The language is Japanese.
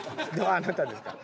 あなたですか？